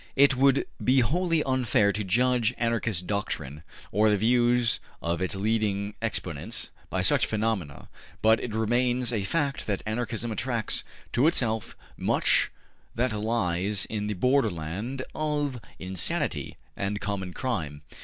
It would be wholly unfair to judge Anarchist doctrine, or the views of its leading exponents, by such phenomena; but it remains a fact that Anarchism attracts to itself much that lies on the borderland of insanity and common crime.